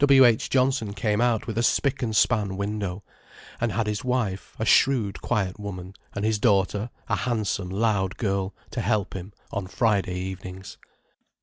W. H. Johnson came out with a spick and span window, and had his wife, a shrewd, quiet woman, and his daughter, a handsome, loud girl, to help him on Friday evenings.